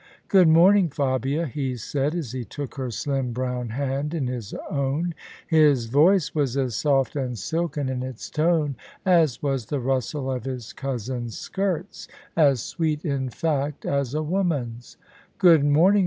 " Good morning, Fabia," he said, as he took her slim brown hand in his own. His voice was as soft and silken in its tone as was the rustle of his cousin's skirts : as sweet, in fact, as a woman's. " Good morning.